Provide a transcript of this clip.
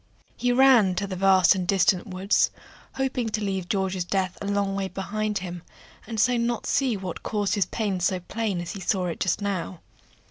He ran to the vast and distant woods, hoping to leave George's death a long way behind him, and so not see what caused his pain so plain as he saw it just now.